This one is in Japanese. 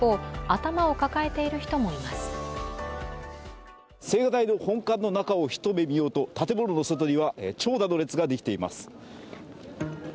青瓦台の本館の中を一目見ようと建物の外には長蛇の列ができています。